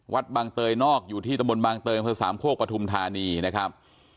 วัดบางเตยนอกอยู่ที่ตะมนต์บางเตยพระสามโคกปฐุมธานีนะครับ